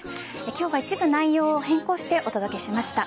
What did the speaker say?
今日は一部内容を変更してお届けしました。